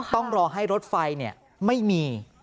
ต้องรอให้รถไฟไม่มี